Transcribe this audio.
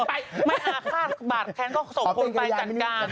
อ่าขาดบาทแค้นก็ส่งคนไปจัดการ